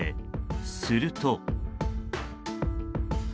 すると。